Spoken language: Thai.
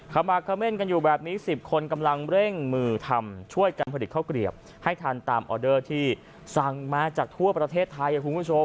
ขมักเขม่นกันอยู่แบบนี้๑๐คนกำลังเร่งมือทำช่วยกันผลิตข้าวเกลียบให้ทานตามออเดอร์ที่สั่งมาจากทั่วประเทศไทยคุณผู้ชม